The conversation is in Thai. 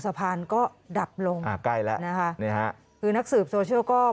สะพานก็ดับลงอ่าใกล้แล้วนะคะนี่ฮะคือนักสืบโซเชียลก็